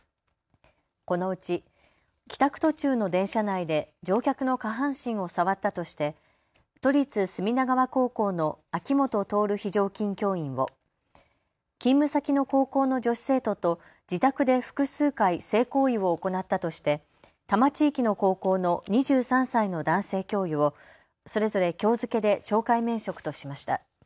このうち帰宅途中の電車内で乗客の下半身を触ったとして都立墨田川高校の秋元透非常勤教員を勤務先の高校の女子生徒と自宅で複数回、性行為を行ったとして多摩地域の高校の２３歳の男性教諭をそれぞれきょう付けで懲戒免職としました。